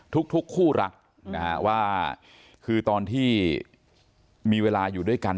ทุกคู่รักนะฮะว่าคือตอนที่มีเวลาอยู่ด้วยกัน